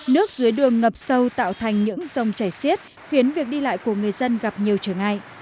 nước dưới đường ngập sâu tạo thành những dòng chảy xiết khiến việc đi lại của người dân gặp nhiều trở ngại